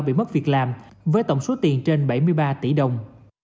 bị mất việc làm với tổng số tiền trên bảy mươi ba tỷ đồng